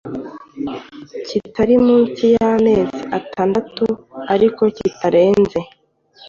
kitari munsi y amezi atandatu ariko kitarenze